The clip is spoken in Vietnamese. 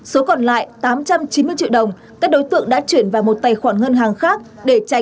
số còn lại tám trăm chín mươi triệu đồng các đối tượng đã chuyển vào một tài khoản ngân hàng khác để trả